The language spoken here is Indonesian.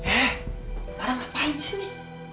eh orang ngapain di sini